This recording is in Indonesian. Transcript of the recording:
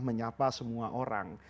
menyapa semua orang